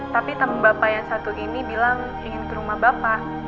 tapi teman bapak yang satu ini bilang ingin ke rumah bapak